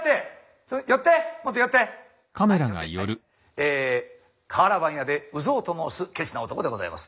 えかわら版屋で鵜蔵と申すケチな男でございます。